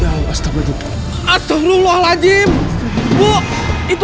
ini masih nyambut masih nyambut